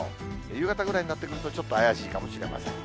夕方ぐらいになってくると、ちょっと怪しいかもしれません。